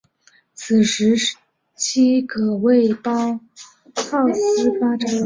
此时期可谓包浩斯发展重要的转捩点。